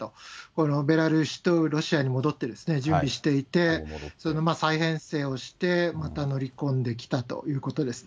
このベラルーシとロシアに戻って準備していて、その再編成をして、また乗り込んできたということです。